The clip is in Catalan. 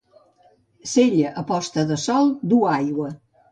Cella a posta de sol du aigua.